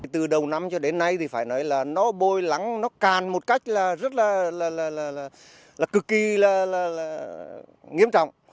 từ đầu năm cho đến nay thì phải nói là nó bôi lắng nó càn một cách là rất là cực kỳ là nghiêm trọng